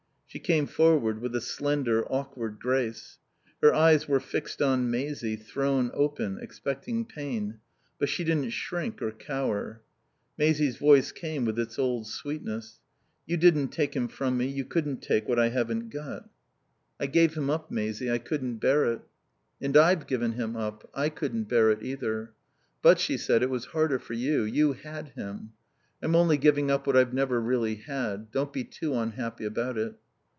She came forward with a slender, awkward grace. Her eyes were fixed on Maisie, thrown open, expecting pain; but she didn't shrink or cower. Maisie's voice came with its old sweetness. "You didn't take him from me. You couldn't take what I haven't got." "I gave him up, Maisie. I couldn't bear it." "And I've given him up. I couldn't bear it, either. But," she said, "it was harder for you. You had him. I'm only giving up what I've never really had. Don't be too unhappy about it."